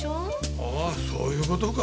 ああそういう事か。